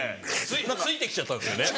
ついてきちゃったんですよね。